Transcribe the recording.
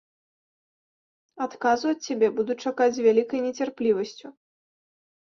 Адказу ад цябе буду чакаць з вялікай нецярплівасцю.